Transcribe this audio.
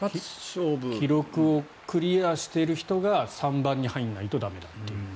記録をクリアしている人が３番に入らないと駄目だという。